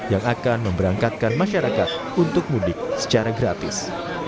yang akan memberangkatkan masyarakat untuk mudik secara gratis